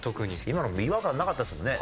今の違和感なかったですもんね。